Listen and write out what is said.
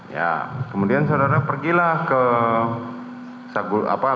ya kemudian saudara pergilah ke saguling